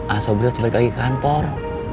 asobri harus balik lagi ke kantor